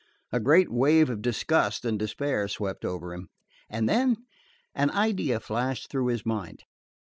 A great wave of disgust and despair swept over him, and then an idea flashed through his mind.